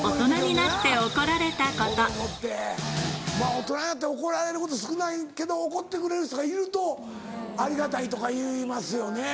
大人になって怒られること少ないけど怒ってくれる人がいるとありがたいとかいいますよね。